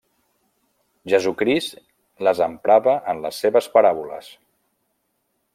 Jesucrist les emprava en les seves paràboles.